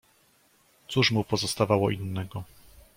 "Cóż mu pozostawało innego?"